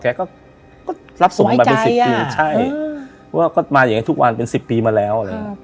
แกก็ก็รับส่งมาเป็นสิบปีใช่เพราะว่าก็มาอย่างงี้ทุกวันเป็นสิบปีมาแล้ว